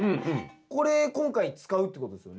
これ今回使うってことですよね？